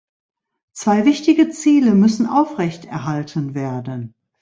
Zwei wichtige Ziele müssen aufrecht erhalten werden.